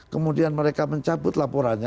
kemudian mereka mencabut laporannya